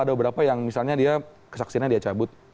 ada beberapa yang misalnya dia kesaksiannya dia cabut